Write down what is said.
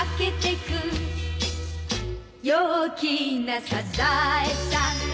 「陽気なサザエさん」